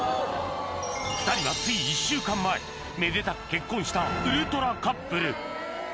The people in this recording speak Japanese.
２人はつい１週間前めでたく結婚したウルトラカップル